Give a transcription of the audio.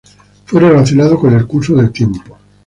Fue relacionado con el curso del tiempo.